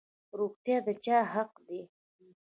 روغتیا د چا حق دی؟